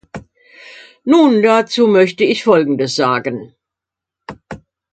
Nun, dazu möchte ich Folgendes sagen.